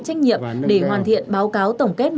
trách nhiệm để hoàn thiện báo cáo tổng kết một mươi năm năm